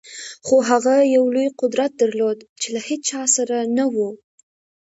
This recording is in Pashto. خو هغه یو لوی قدرت درلود چې له هېچا سره نه و